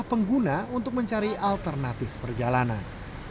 pengguna untuk mencari alternatif perjalanan